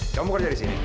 kamu kerja di sini